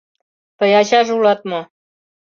Тый ачаже улат мо?